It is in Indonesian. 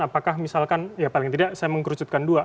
apakah misalkan ya paling tidak saya mengkerucutkan dua